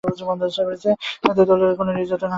শারীরিকভাবে কোনো নির্যাতন বা আঘাত করা হয়নি।